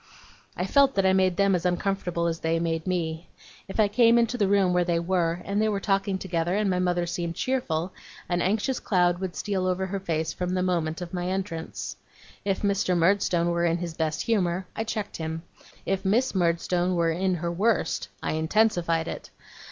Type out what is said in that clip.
I felt that I made them as uncomfortable as they made me. If I came into the room where they were, and they were talking together and my mother seemed cheerful, an anxious cloud would steal over her face from the moment of my entrance. If Mr. Murdstone were in his best humour, I checked him. If Miss Murdstone were in her worst, I intensified it.